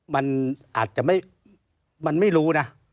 มันอาจจะมันไม่รู้นะ